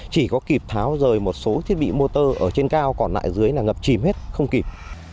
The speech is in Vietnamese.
chỉ có kịp tháo rời một số thiết bị motor ở trên cao còn lại dưới là ngập chìm hết không kịp